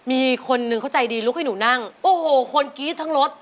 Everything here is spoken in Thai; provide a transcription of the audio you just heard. มีคนนึงเขาใจดีลุกให้หนูนั่งโอ้โหคนกรี๊ดทั้งรถ